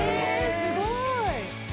すごい！